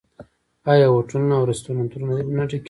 آیا هوټلونه او رستورانتونه نه ډکیږي؟